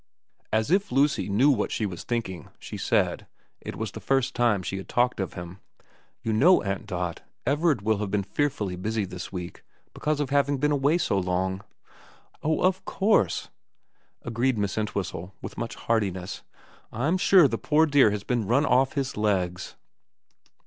As if Lucy knew what she was thinking, she said it was the first time she had talked of him 4 You know, Aunt Dot, Everard will have been fear fully busy this week, because of having been away so long.' 324 VERA XMX * Oh of course,' agreed Miss Entwhistle with much heartiness. ' I'm sure the poor dear has been run ofi his legs.'